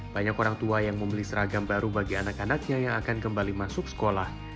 banyak orang tua yang membeli seragam baru bagi anak anaknya yang akan kembali masuk sekolah